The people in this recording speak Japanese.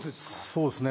そうですね。